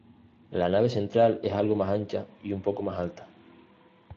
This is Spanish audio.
La nave central es algo más ancha y un poco más alta.